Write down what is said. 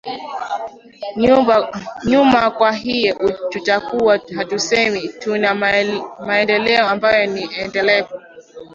nyuma kwa hiyo tutakuwa hatusemi tuna maendeleo ambayo ni endelevu